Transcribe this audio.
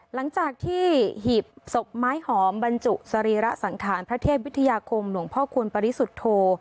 หลังจากที่หีบศพไม้หอมบรรจุสรีระสังขารพระเทพวิทยาคมหลวงพ่อคูณปริสุทธโธ